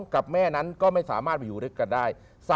กับแม่นั้นก็ไม่สามารถไปอยู่ด้วยกันได้